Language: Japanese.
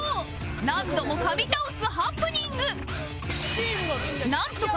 何度も噛み倒すハプニング！